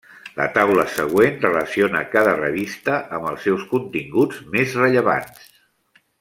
La taula següent relaciona cada revista amb els seus continguts més rellevants.